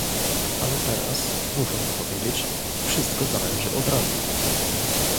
Ale teraz, muszę to powiedzieć, wszystko zależy od Rady